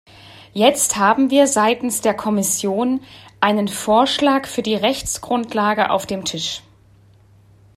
Jetzt haben wir seitens der Kommission einen Vorschlag für die Rechtsgrundlage auf dem Tisch.